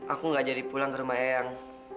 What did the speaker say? aku gak jadi pulang ke rumah eyang